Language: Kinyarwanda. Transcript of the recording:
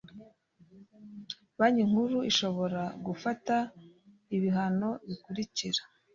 Banki Nkuru ishobora gufata ibihano bikurikira